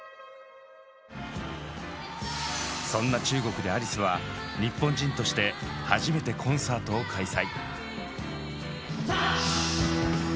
そんな中国でアリスは日本人として初めてコンサートを開催。